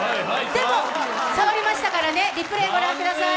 でも、触りましたからね、リプレーご覧ください。